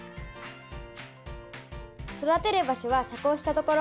育てる場所は遮光したところ。